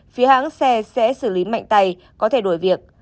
phía hãng xe sẽ xử lý mạnh tay có thể đổi việc